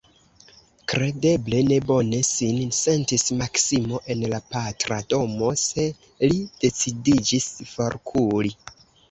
Kredeble, ne bone sin sentis Maksimo en la patra domo, se li decidiĝis forkuri.